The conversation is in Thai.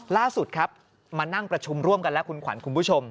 ล่าสุดครับมานั่งประชุมร่วมกันแล้วคุณขวัญคุณผู้ชม